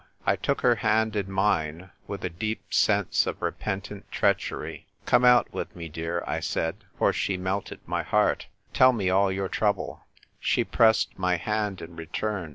I took her hand in mine, with a deep sense of repentant treachery. " Come out with me, dear," I said, for she melted my heart. Tell me all your trouble." She pressed my hand in return.